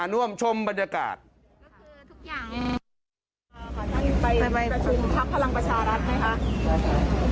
คุณองค์ถามนัดก็เป็นเหรียญค้าเหมือนเดิม